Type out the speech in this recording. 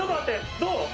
どう？」